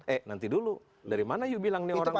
eh nanti dulu dari mana you bilang nih orang